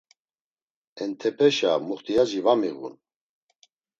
Entepeşa muxtiyaci va miğun.